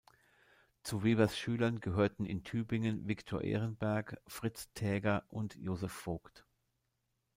Zu Webers Schülern gehörten in Tübingen Victor Ehrenberg, Fritz Taeger und Joseph Vogt.